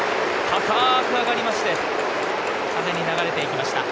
高く上がりまして風に流れていきました。